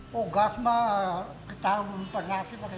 bogor mah kita mempernafikan